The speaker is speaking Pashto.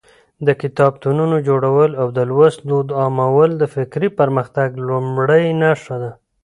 د کتابتونونو جوړول او د لوست دود عامول د فکري پرمختګ لومړۍ نښه ده.